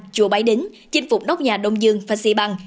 chùa bái đính chinh phục nốc nhà đông dương phan xì băng